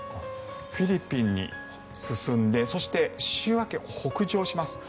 フィリピンに進んでそして、週明けに北上します。